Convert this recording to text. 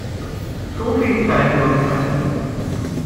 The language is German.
So viel Zeit muss sein!